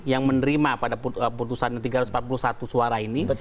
yang menerima pada putusan tiga ratus empat puluh satu suara ini